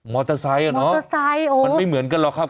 มอเตอร์ไซค์อะเนอะมันไม่เหมือนกันหรอกครับ